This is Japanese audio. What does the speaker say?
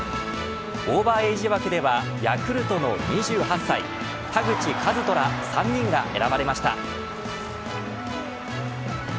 オーバーエージ枠ではヤクルトの２８歳田口麗斗ら３人が選ばれました。